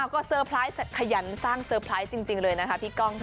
ก็เตอร์ไพรส์ขยันสร้างเซอร์ไพรส์จริงเลยนะคะพี่ก้อง